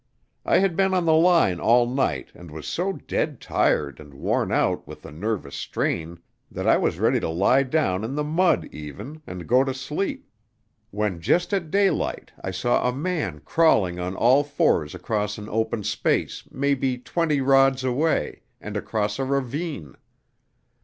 I had been on the line all night and was so dead tired and worn out with the nervous strain that I was ready to lie down in the mud even, and go to sleep, when just at daylight I saw a man crawling on all fours across an open space maybe twenty rods away, and across a ravine.